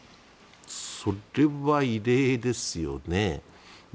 それは異例ですよね。